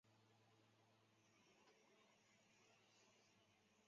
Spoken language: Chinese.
金宝汤公司出品的一种罐头装的浓汤。